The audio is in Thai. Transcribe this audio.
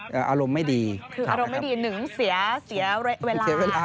คืออารมณ์ไม่ดีหนึ่งเสียเวลา